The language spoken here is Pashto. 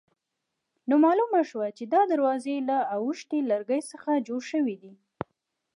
نو معلومه شوه چې دا دروازې له اوبښتي لرګي څخه جوړې شوې دي.